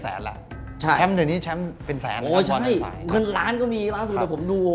สอยเกินไปให้ร้องแรม